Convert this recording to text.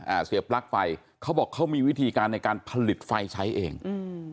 เสียปลั๊กไฟเขาบอกเขามีวิธีการในการผลิตไฟใช้เองอืม